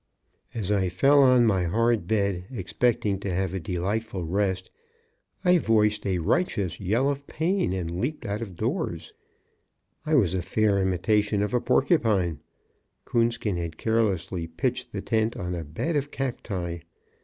As I fell on my hard bed, expecting to have a delightful rest, I voiced a righteous yell of pain, and leaped out of doors. I was a fair imitation of a porcupine. Coonskin had carelessly pitched the tent on a bed of cacti.